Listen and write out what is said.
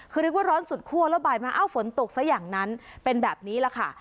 คือเรียกว่าร้อนสุดคั่วแล้วบ่ายมาเอ้าฝนตกซะอย่างนั้นเป็นแบบนี้แหละค่ะ